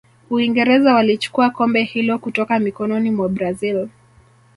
uingereza walichukua kombe hilo kutoka mikononi mwa brazil